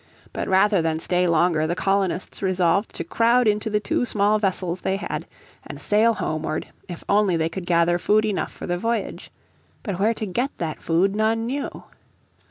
But rather than stay longer the colonists resolved to crowd into the two small vessels they had, and sail homeward if only they could gather food enough for the voyage. But where to get that food none knew.